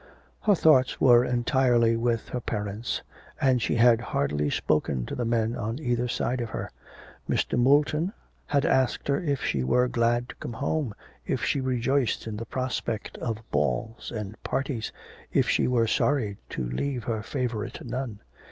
Her thoughts were entirely with her parents; and she had hardly spoken to the men on either side of her. Mr. Moulton had asked her if she were glad to come home, if she rejoiced in the prospect of balls and parties, if she were sorry to leave her favourite nun.